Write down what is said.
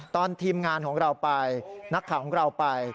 ทีมงานของเราไปนักข่าวของเราไป